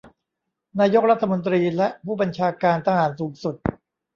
นายกรัฐมนตรีและผู้บัญชาการทหารสูงสุด